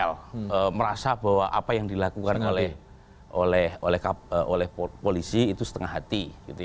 jadi ppl merasa bahwa apa yang dilakukan oleh polisi itu setengah hati